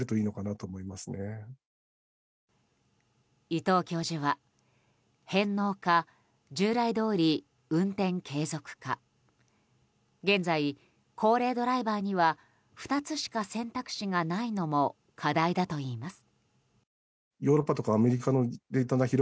伊藤教授は、返納か従来どおり運転継続か現在、高齢ドライバーには２つしか選択肢がないのも課題だといいます。